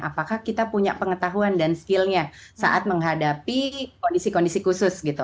apakah kita punya pengetahuan dan skillnya saat menghadapi kondisi kondisi khusus gitu